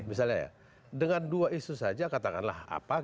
misalnya ya dengan dua isu saja katakanlah apa